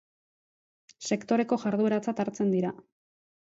sektoreko jardueratzat hartzen dira